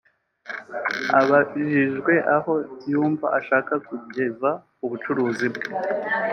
Abajijwe aho yumva ashaka kugeza ubucuruzi bwe